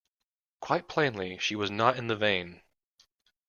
Quite plainly, she was not in the vein.